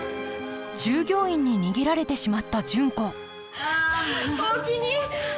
従業員に逃げられてしまった純子おおきに！